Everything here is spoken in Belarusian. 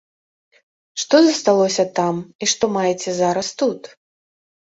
Што засталося там і што маеце зараз тут?